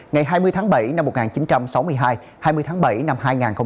ngày hai mươi tháng bảy năm một nghìn chín trăm sáu mươi hai hai mươi tháng bảy năm hai nghìn hai mươi